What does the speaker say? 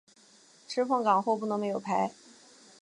吃碰杠后不能没有牌。